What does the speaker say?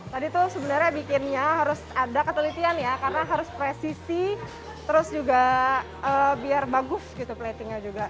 tadi tuh sebenarnya bikinnya harus ada ketelitian ya karena harus presisi terus juga biar bagus gitu platingnya juga